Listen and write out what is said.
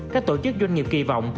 các tổ chức doanh nghiệp kỳ vọng